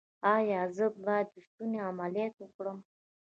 ایا زه باید د ستوني عملیات وکړم؟